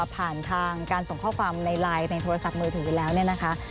ผ่านทางการส่งข้อความในไลน์ในโทรศัพท์มือถือแล้วเนี่ยนะคะ